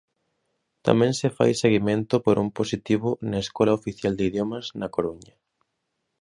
Tamén se fai seguimento por un positivo na Escola Oficial de Idiomas na Coruña.